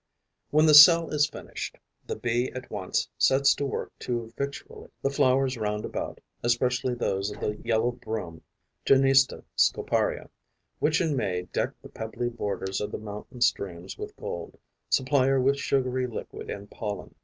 When the cell is finished, the Bee at once sets to work to victual it. The flowers round about, especially those of the yellow broom (Genista scoparia), which in May deck the pebbly borders of the mountain streams with gold, supply her with sugary liquid and pollen.